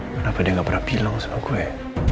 kenapa dia gak pernah bilang sama gue